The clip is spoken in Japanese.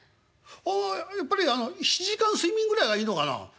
「ああやっぱり７時間睡眠ぐらいがいいのかな？